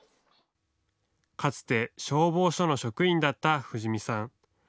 かつて消防署の職員だった藤實さん。